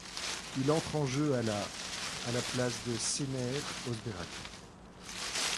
Il entre en jeu à la à la place de Şener Özbayraklı.